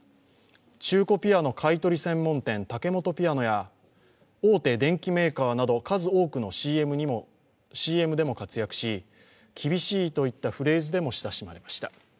中古ピアノ買い取り専門店、タケモトピアノや大手電機メーカーなど数多くのＣＭでも活躍しキビシイ！といったフレーズでも親しまれました。